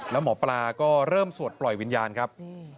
แล้วหมอปลาก็เริ่มสวดปล่อยวิญญาณครับ